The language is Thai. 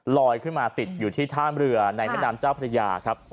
ลอยขึ้นมาติดอยู่ที่ท่ามเรือในแม่น้ำเจ้าพระยาครับ